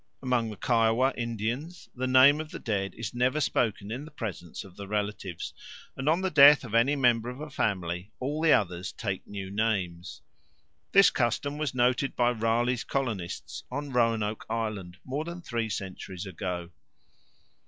Among the Kiowa Indians the name of the dead is never spoken in the presence of the relatives, and on the death of any member of a family all the others take new names. This custom was noted by Raleigh's colonists on Roanoke Island more than three centuries ago.